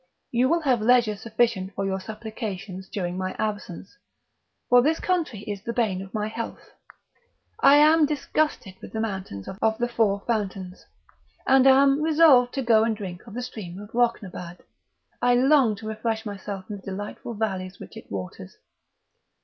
"You will have leisure sufficient for your supplications during my absence; for this country is the bane of my health; I am disgusted with the mountain of the Four Fountains, and am resolved to go and drink of the stream of Rocnabad; I long to refresh myself in the delightful valleys which it waters.